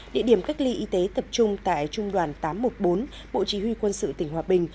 địa điểm cách ly y tế tập trung tại trung đoàn tám trăm một mươi bốn bộ chỉ huy quân sự tỉnh hòa bình